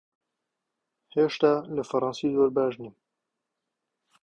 هێشتا لە فەڕەنسی زۆر باش نیم.